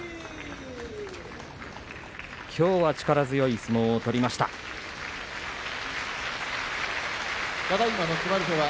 きょうは力強い相撲を取りました正代。